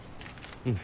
うん。